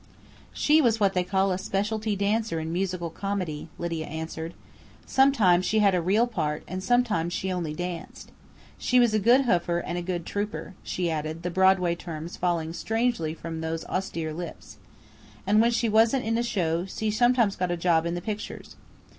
"She was what they call a specialty dancer in musical comedy," Lydia answered. "Sometimes she had a real part and sometimes she only danced. She was a good hoofer and a good trouper," she added, the Broadway terms falling strangely from those austere lips. "And when she wasn't in a show she sometimes got a job in the pictures.